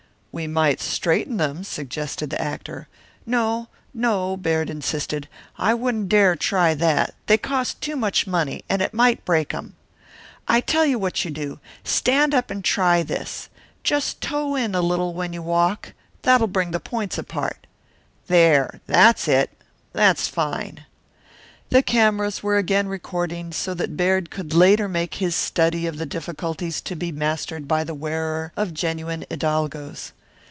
"We might straighten them," suggested the actor. "No, no," Baird insisted, "I wouldn't dare try that. They cost too much money, and it might break 'em. I tell you what you do, stand up and try this: just toe in a little when you walk that'll bring the points apart. There that's it; that's fine." The cameras were again recording so that Baird could later make his study of the difficulties to be mastered by the wearer of genuine hidalgos.